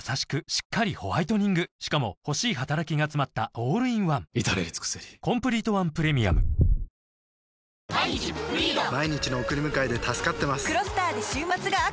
しっかりホワイトニングしかも欲しい働きがつまったオールインワン至れり尽せりこれ分かると思うんですけどね。